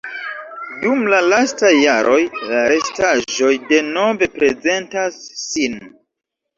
Dum la lastaj jaroj la restaĵoj denove prezentas sin.